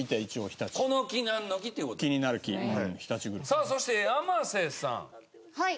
さあそして山瀬さんはい。